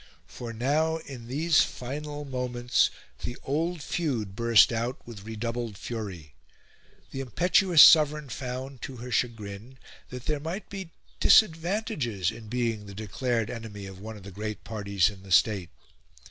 For now, in these final moments, the old feud burst out with redoubled fury. The impetuous sovereign found, to her chagrin, that there might be disadvantages in being the declared enemy of one of the great parties in the State.